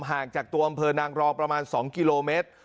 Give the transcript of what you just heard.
ห่างจากตัวอำเภอนางรอประมาณ๒กิโลเมตร